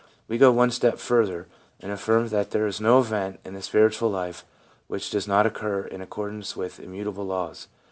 We go one step further, and affirm that there is no event in the spiritual life which does not occur in accordance with immutable laws.